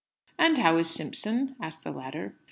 "And how is Simpson?" asked the latter.